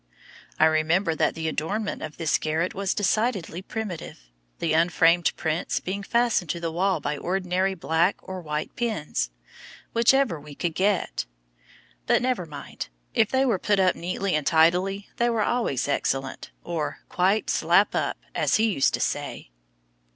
I remember that the adornment of this garret was decidedly primitive, the unframed prints being fastened to the wall by ordinary black or white pins, whichever we could get. But, never mind, if they were put up neatly and tidily they were always "excellent," or "quite slap up" as he used to say.